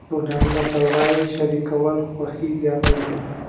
سوډاني متل وایي شریکول خوښي زیاتوي.